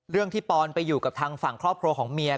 เรื่องที่ปอนไปอยู่กับทางฝั่งครอบครัวของเมีย